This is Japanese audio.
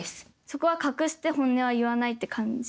そこは隠して本音は言わないって感じ？